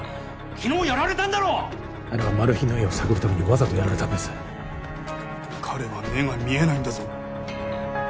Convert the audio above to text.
昨日やられたんだろあれはマル被の家を探るためにわざとやられたんです彼は目が見えないんだぞ